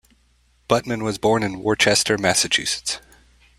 Butman was born in Worcester, Massachusetts.